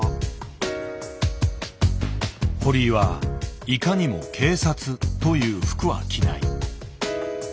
堀井はいかにも警察という服は着ない。